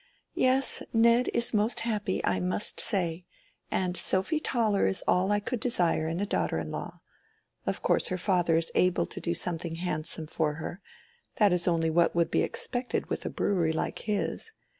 "Yes, Ned is most happy, I must say. And Sophy Toller is all I could desire in a daughter in law. Of course her father is able to do something handsome for her—that is only what would be expected with a brewery like his.